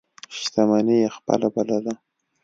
شتمني یې خپله بلله.